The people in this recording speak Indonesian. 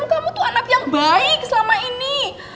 kamu tuh anak yang baik selama ini